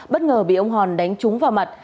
bất ngờ bị ông hòn đánh trúng vào mặt